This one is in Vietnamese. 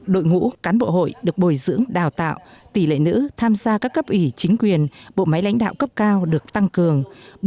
đội ngũ cán bộ hội được bồi dưỡng đào tạo tỷ lệ nữ tham gia các cấp ủy chính quyền bộ máy lãnh đạo cấp cao được tăng cường